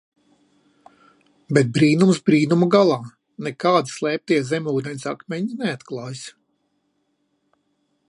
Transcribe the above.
Bet brīnums brīnuma galā, nekādi slēptie zemūdens akmeņi neatklājas.